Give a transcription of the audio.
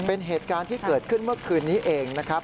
เป็นเหตุการณ์ที่เกิดขึ้นเมื่อคืนนี้เองนะครับ